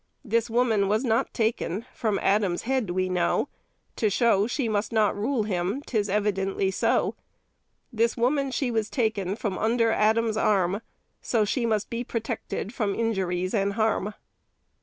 This woman was not taken From Adam's head, we know; To show she must not rule him, 'Tis evidently so. This woman she was taken From under Adam's arm; So she must be protected From injuries and harm.